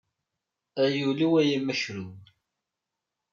Ay ul-iw ay amakrun.